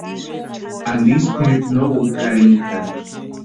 Antisï kwʼiripu no úkʼi arhintani.